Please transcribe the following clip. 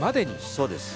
そうです。